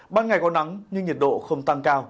ban ngày có nắng nhưng nhiệt độ không tăng cao